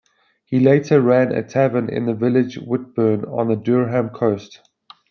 He later ran a tavern in the village Whitburn on the Durham coast.